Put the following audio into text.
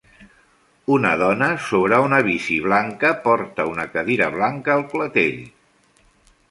Una dona sobre una bici blanca porta una cadira blanca al clatell.